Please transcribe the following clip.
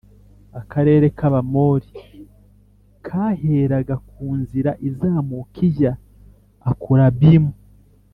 Akarere k’Abamori kaheraga ku nzira izamuka ijya Akurabimu,